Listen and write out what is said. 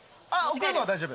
送るのは大丈夫。